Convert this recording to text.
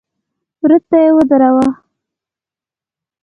وره ته يې ودراوه.